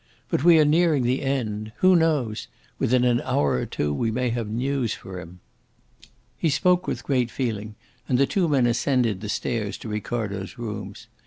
But we are nearing the end. Who knows? Within an hour or two we may have news for him." He spoke with great feeling, and the two men ascended the stairs to Ricardo's rooms.